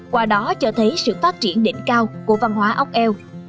qua đó cho thấy sự phát triển đỉnh cao của văn hóa ốc eo